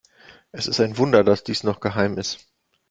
Es ist ein Wunder, dass dies noch geheim ist.